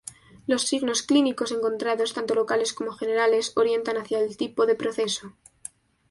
Los signos clínicos encontrados, tanto locales como generales orientan hacia el tipo de proceso.